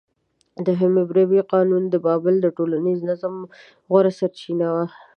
د حموربي قانون د بابل د ټولنیز نظم غوره سرچینه وه.